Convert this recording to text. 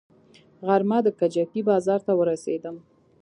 غرمه د کجکي بازار ته ورسېدم.